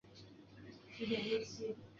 后来他在匹兹堡大学学习。